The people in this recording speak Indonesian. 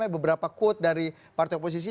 beberapa quote dari partai oposisi